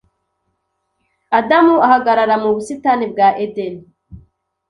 Adamu ahagarara mu busitani bwa Edeni